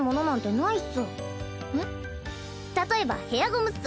例えばヘアゴムっス。